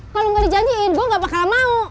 kalo gak dijanjikan gua gak bakal mau